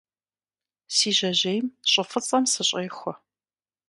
Си жьэжьейм щӀы фӀыцӀэм сыщӀехуэ.